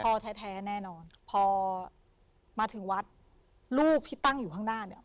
พ่อแท้แน่นอนพอมาถึงวัดลูกที่ตั้งอยู่ข้างหน้าเนี่ย